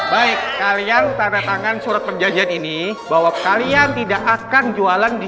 baik kalian tanda tangan surat perjanjian ini bahwa kalian tidak akan jualan di